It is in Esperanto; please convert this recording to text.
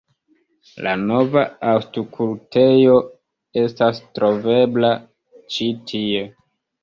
La nova Aŭskultejo estas trovebla ĉi tie.